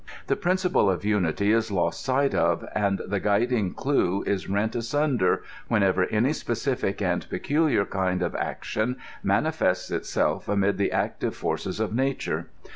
The principle of unity is lost sight of, and the guiding clew is rent asunder whenever any specific and pecufiar kind of action manifests itself amid the active forces of nature.